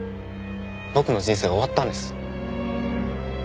僕の人生は終わったんです。